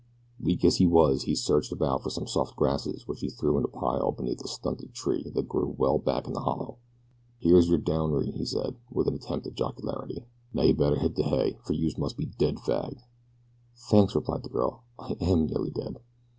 Weak as he was he searched about for some soft grasses which he threw in a pile beneath a stunted tree that grew well back in the hollow. "Here's yer downy," he said, with an attempt at jocularity. "Now you'd better hit de hay, fer youse must be dead fagged." "Thanks!" replied the girl. "I AM nearly dead."